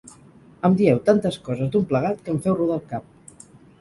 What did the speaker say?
Em dieu tantes coses d'un plegat, que em feu rodar el cap.